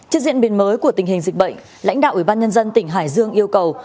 trên diện biển mới của tình hình dịch bệnh lãnh đạo ủy ban nhân dân tỉnh hải dương yêu cầu